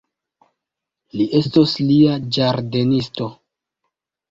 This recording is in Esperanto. Li estos lia ĝardenisto.